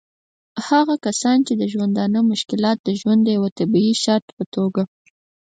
هغه کسان چې د ژوندانه مشکلات د ژوند د یوه طبعي شرط په توګه